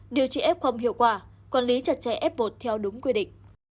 điều trị ép không hiệu quả quản lý chặt chẽ ép bột theo đúng quy định